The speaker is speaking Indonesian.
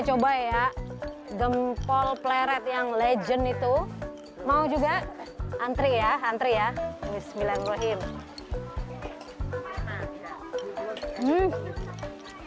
coba ya gempol pleret yang legend itu mau juga antri ya antri ya bismillahirrohim